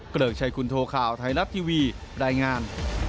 เกลือกใช้คุณโทรข่าวไทยรับทีวีประดายงาน